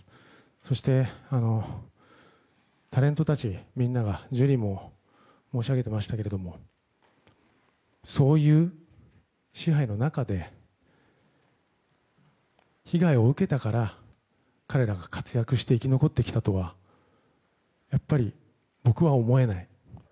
そして、タレントたちみんながジュリーも申し上げてましたけれどもそういう支配の中で被害を受けたから彼らが活躍して生き残ってきたとはやっぱり、僕は思えない。